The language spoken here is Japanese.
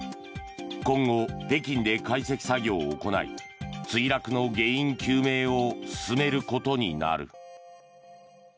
今後、北京で解析作業を行い墜落の原因究明を進めることになる。